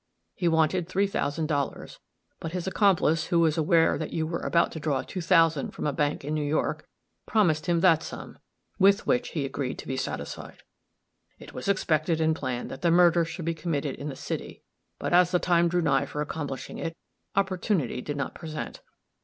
He wanted three thousand dollars, but his accomplice, who was aware that you were about to draw two thousand from a bank in New York, promised him that sum, with which he agreed to be satisfied. It was expected and planned that the murder should be committed in the city; but, as the time drew nigh for accomplishing it, opportunity did not present.